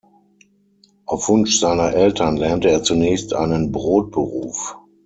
Auf Wunsch seiner Eltern lernte er zunächst einen Brotberuf.